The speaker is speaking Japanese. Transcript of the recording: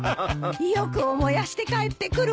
意欲を燃やして帰ってくるわよ。